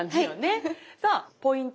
さあポイント